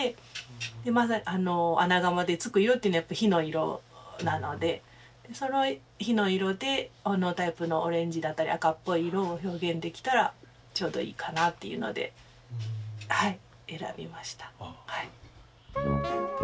で穴窯でつくよっていうのはやっぱ火の色なのでその火の色でほのおタイプのオレンジだったり赤っぽい色を表現できたらちょうどいいかなっていうのではい選びましたはい。